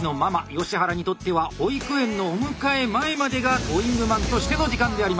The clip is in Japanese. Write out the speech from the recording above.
吉原にとっては保育園のお迎え前までがトーイングマンとしての時間であります。